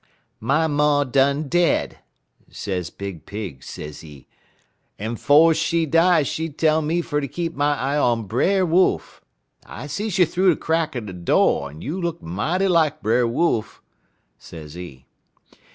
"'My ma done dead,' sez Big Pig, sezee, 'en 'fo' she die she tell me fer ter keep my eye on Brer Wolf. I sees you thoo de crack er de do', en you look mighty like Brer Wolf,' sezee.